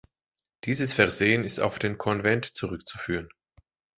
Dieses Versehen ist auf den Konvent zurückzuführen.